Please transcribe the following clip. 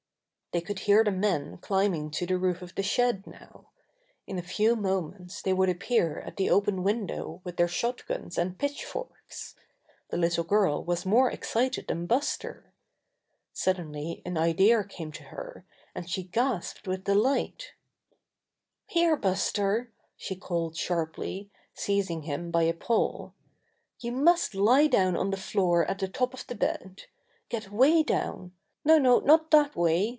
They could hear the men climbing to the roof of the shed now. In a few moments they would appear at the open window with their shot guns and pitchforks. The little girl was more excited than Buster. Suddenly an idea came to her, and she gasped with delight. 108 Buster the Bear "Here, Buster," she called sharply, seizing him by a paw. "You must lie down on the floor at the foot of the bed. Get way down ! No, no, not that way!